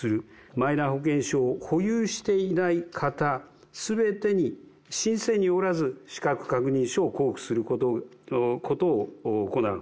マイナ保険証を保有していない方すべてに、申請によらず資格確認書を交付することを行う。